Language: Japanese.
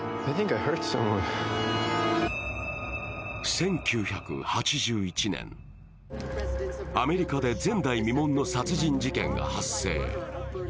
１９８１年、アメリカで前代未聞の殺人事件が発生。